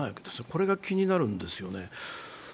これが気になるんですよね。